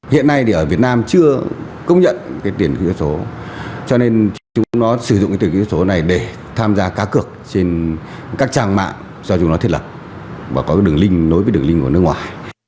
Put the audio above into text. hiện nay ở việt nam chưa công nhận tiền kỹ thuật số cho nên chúng nó sử dụng tiền kỹ thuật số này để tham gia cá cực trên các trang mạng do chúng nó thiết lập và có đường link nối với đường link của nước ngoài